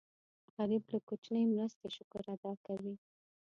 غریب له کوچنۍ مرستې شکر ادا کوي